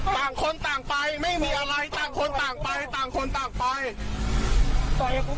ต่างคนต่างไปไม่มีอะไรต่างคนต่างไปต่างคนต่างไป